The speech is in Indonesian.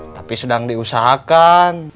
tapi sedang diusahakan